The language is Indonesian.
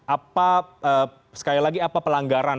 apa sekali lagi apa pelanggaran